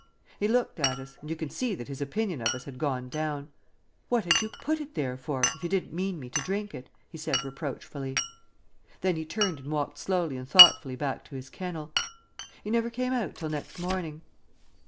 He looked at us, and you could see that his opinion of us had gone down. 'What did you put it there for, if you didn't mean me to drink it?' he said reproachfully. Then he turned and walked slowly and thoughtfully back to his kennel. He never came out till next morning."